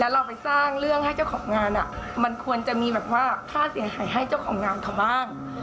เราไปสร้างเรื่องให้เจ้าของงานมันควรจะมีแบบว่าค่าเสียหายให้เจ้าของงานเขาบ้าง